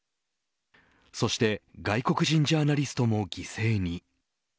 そして外国人ジャーナリストも犠牲に。